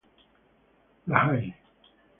La Haye